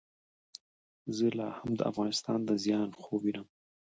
زه لا هم د افغانستان د زیان خوب وینم.